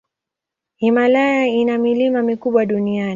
Himalaya ina milima mikubwa duniani.